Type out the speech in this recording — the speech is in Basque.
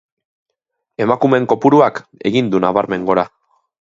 Emakumeen kopuruak egin du nabarmen gora.